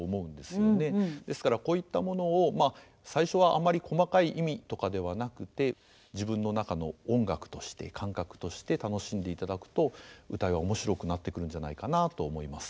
ですからこういったものをまあ最初はあまり細かい意味とかではなくて自分の中の音楽として感覚として楽しんでいただくと謡は面白くなってくるんじゃないかなと思います。